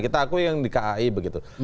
kita akui yang di kai begitu